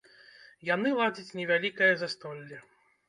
Яны ладзяць невялікае застолле.